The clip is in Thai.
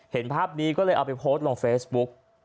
เห็นภาพนี้ก็เลยเอาไปโพสต์ลงเฟซบุ๊ก